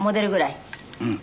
うん。